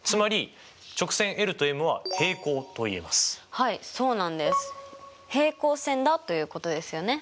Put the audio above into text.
はいそうなんです。平行線だということですよね。